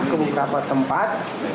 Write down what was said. ke beberapa tempat